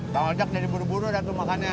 bang ojek jadi buru buru dah tuh makannya